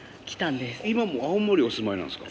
今も青森お住まいなんですか？